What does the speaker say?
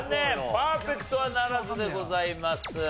パーフェクトはならずでございます。